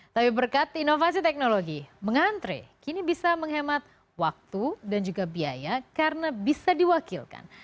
tapi berkat inovasi teknologi mengantre kini bisa menghemat waktu dan juga biaya karena bisa diwakilkan